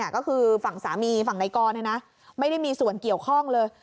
ก็คือฝั่งสามีฝั่งในกรไม่ได้มีส่วนเกี่ยวข้องเลย